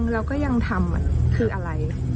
แล้วก็ยังทำคืออะไร